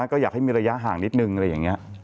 ก็อยากให้มีระยะห่างนิดนึงอะไรอย่างนี้